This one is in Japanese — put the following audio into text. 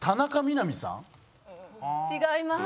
違います。